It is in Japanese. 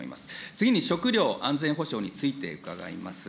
次に食料安全保障について伺います。